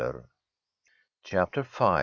CHAPTER V.